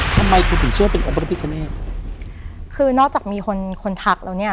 ทำไมคุณถึงเชื่อเป็นองค์พระพิคเนตคือนอกจากมีคนคนทักแล้วเนี้ย